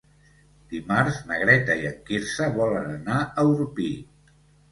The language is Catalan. Dimarts na Greta i en Quirze volen anar a Orpí.